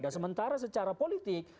dan sementara secara politik